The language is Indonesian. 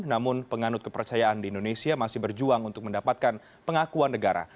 namun penganut kepercayaan di indonesia masih berjuang untuk mendapatkan pengakuan negara